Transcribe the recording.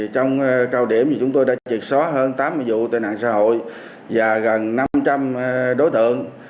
trong cao điểm thì chúng tôi đã triệt só hơn tám mươi vụ tệ nạn xã hội và gần năm trăm linh đối tượng